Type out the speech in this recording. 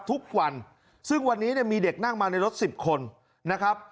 ทุกวันซึ่งวันนี้เนี่ยมีเด็กนั่งมาในรถสิบคนนะครับ